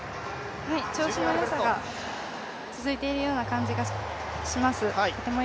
調子の良さが続いているような感じがします。